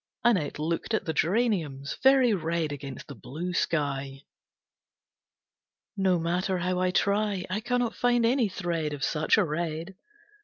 Annette looked at the geraniums, very red against the blue sky. "No matter how I try, I cannot find any thread of such a red.